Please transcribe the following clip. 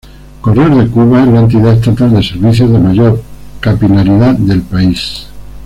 Correos de Cuba es la entidad estatal de servicios de mayor capilaridad del país.